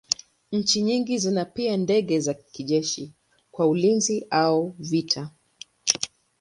Nchi nyingi zina pia ndege za kijeshi kwa ulinzi au vita.